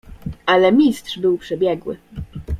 "Ale Mistrz był przebiegły."